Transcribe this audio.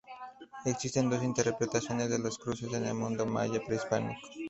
Existen dos interpretaciones de las cruces en el mundo maya prehispánico.